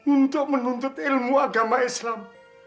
untuk menuntut ilmu agama islam